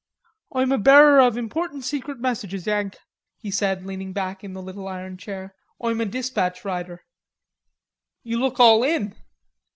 "Oi'm a bearer of important secret messages, Yank," he said, leaning back in the little iron chair. "Oi'm a despatch rider." "You look all in."